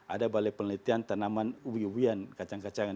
ada balai penelitian tanaman ubi ubian kacang kacang